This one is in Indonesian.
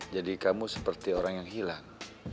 jadi kamu seperti orang yang hilang